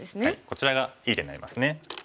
こちらがいい手になりますね。